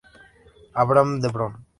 Abram de Bron".